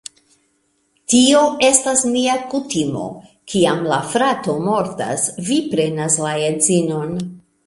Tio estas nia kutimo, kiam la frato mortas, vi prenas la edzinon